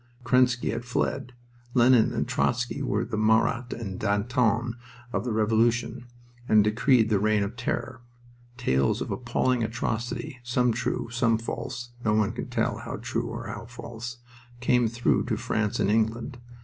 Kerensky had fled. Lenin and Trotzky were the Marat and Danton of the Revolution, and decreed the Reign of Terror. Tales of appalling atrocity, some true, some false (no one can tell how true or how false), came through to France and England.